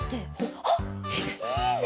あっいいね！